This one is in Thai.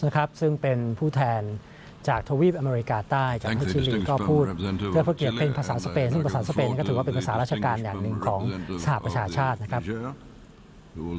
ขอบคุณครับ